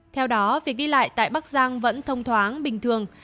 theo đó việc ghi lại tại bắc giang vẫn thông thoáng bình thường